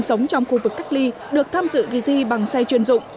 sống trong khu vực cách ly được tham dự kỳ thi bằng xe chuyên dụng